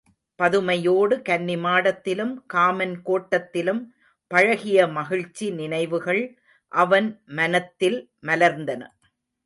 பதுமையோடு கன்னிமாடத்திலும் காமன் கோட்டத்திலும் பழகிய மகிழ்ச்சி நினைவுகள் அவன் மனத்தில் மலர்ந்தன.